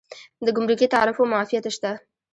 د ګمرکي تعرفو معافیت شته؟